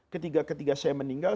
ketika ketika saya meninggal